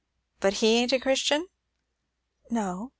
"But he ain't a Christian?" "No."